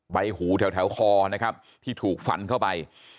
ใบหูแถวคอนะครับที่ถูกฟันเข้าไป